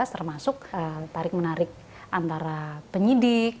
termasuk tarik menarik antara penyidik